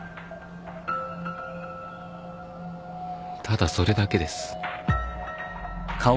ただそれだけです。